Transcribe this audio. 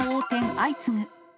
相次ぐ。